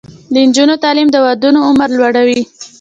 د نجونو تعلیم د ودونو عمر لوړوي.